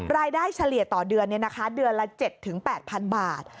รายได้เฉลี่ยต่อเดือนเนี่ยนะคะเดือนละ๗ถึง๘๐๐๐บาท